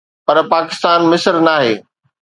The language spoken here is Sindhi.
پر پاڪستان مصر ناهي.